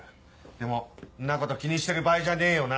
でもんなこと気にしてる場合じゃねえよな？